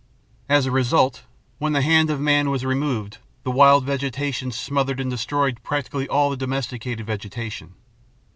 As a result, when the hand of man was removed, the wild vegetation smothered and destroyed practically all the domesticated vegetation.